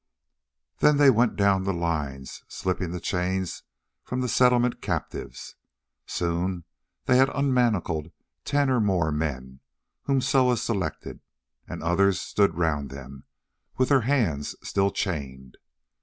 Then they went down the lines slipping the chains from the Settlement captives. Soon they had unmanacled ten or more men whom Soa selected, and others stood round them with their hands still chained.